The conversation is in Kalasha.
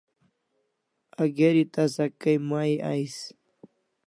A geri tasa kay mai ais